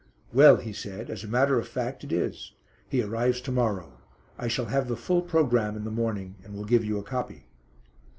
"Well," he said, "as a matter of fact it is. He arrives to morrow. I shall have the full programme in the morning, and will give you a copy."